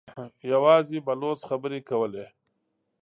يواځې بلوڅ خبرې کولې.